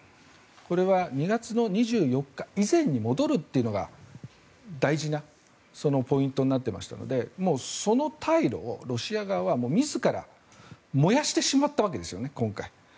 これは２月２４日以前に戻るというのが大事なポイントになってましたのでもうその退路をロシア側は自ら燃やしてしまったわけですよね、今回。